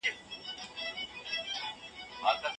که درناوی وي نو شخړه نه رامنځته کېږي.